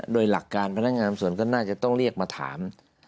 โดยหลักการพนักงานส่วนก็น่าจะต้องเรียกมาถาม